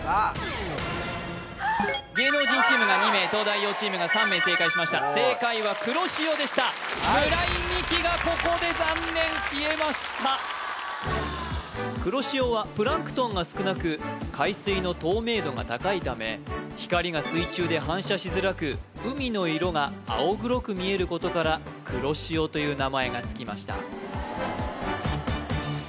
芸能人チームが２名東大王チームが３名正解しました正解は黒潮でした村井美樹がここで残念消えました黒潮はプランクトンが少なく海水の透明度が高いため光が水中で反射しづらく海の色が青黒く見えることから黒潮という名前がつきました